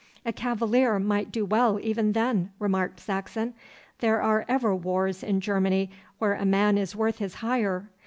'A cavalier might do well even then,' remarked Saxon. 'There are ever wars in Germany where a man is worth his hire.